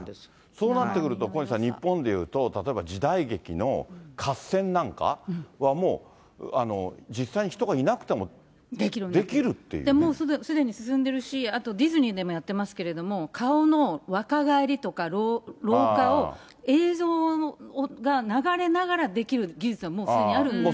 そうなってくると、小西さん、日本でいうと例えば時代劇の合戦なんかはもう実際に人がいなくてもうすでに進んでるし、あとディズニーでもやってますけれども、顔の若返りとか老化を、映像が流れながらできる技術はもうすでにあるんですよね。